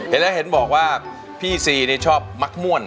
เห็นแล้วเห็นบอกว่าพี่ซีนี่ชอบมักม่วน